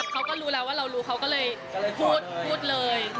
เขาก็รู้แล้วว่าเรารู้เขาก็เลยพูดเลย